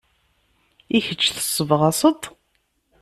I kecc, tessebɣaseḍ-t?